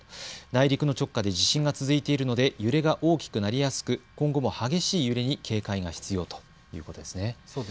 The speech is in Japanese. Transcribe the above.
内陸の直下で地震が続いているので揺れが大きくなりやすく今後も激しい揺れに警戒が必要だということですね。